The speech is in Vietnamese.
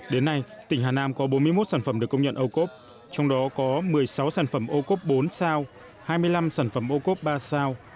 đến nay tỉnh hà nam có bốn mươi một sản phẩm được công nhận ocope trong đó có một mươi sáu sản phẩm ocope bốn sao hai mươi năm sản phẩm ocope ba sao